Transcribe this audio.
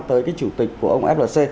tới cái chủ tịch của ông flc